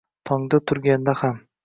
Tongda turganda ham